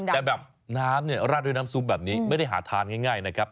แต่แบบน้ำเนี่ยราดด้วยน้ำซุปแบบนี้ไม่ได้หาทานง่ายนะครับ